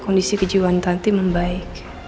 kondisi kejiwaan tanti membaik